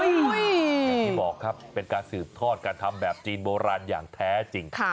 อย่างที่บอกครับเป็นการสืบทอดการทำแบบจีนโบราณอย่างแท้จริง